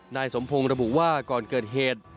นายสมพงศ์ระบุว่าก่อนเกิดเหตุ